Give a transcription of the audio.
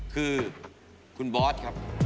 คือคุณบอสครับ